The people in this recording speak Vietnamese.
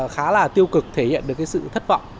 khá là tiêu cực thể hiện được sự thất vọng